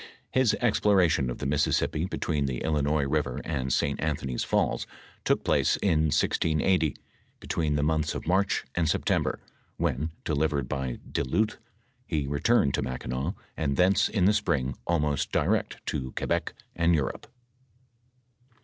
His exploration of tbe Mississippi between tbe Illinois river and St. Anthony's falls, took place in 1680, between tbe months of March and September, when, delivered by De Lntli, be retnmerl to Mackinaw, and thence in the spring nitnost dm t to Qiiehec and Europe.